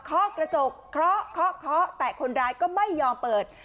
ข้อกระจกเคาะเคาะแต่คนร้ายก็ไม่ยอมเปิด